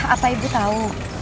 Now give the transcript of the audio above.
apa ibu tahu